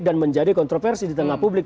dan menjadi kontroversi di tengah publik